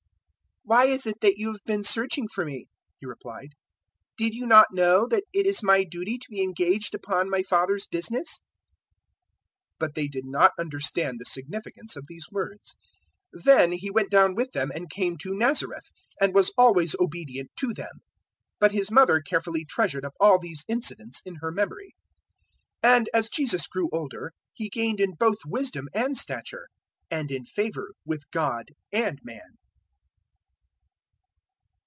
002:049 "Why is it that you have been searching for me?" He replied; "did you not know that it is my duty to be engaged upon my Father's business?" 002:050 But they did not understand the significance of these words. 002:051 Then He went down with them and came to Nazareth, and was always obedient to them; but His mother carefully treasured up all these incidents in her memory. 002:052 And as Jesus grew older He gained in both wisdom and stature, and in favour with God and man.